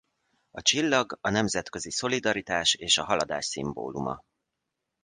A csillag a nemzetközi szolidaritás és a haladás szimbóluma.